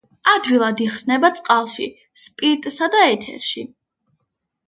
ადვილად იხსნება წყალში, სპირტსა და ეთერში.